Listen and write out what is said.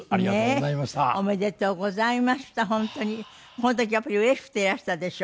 この時はやっぱりうれしくていらしたでしょ？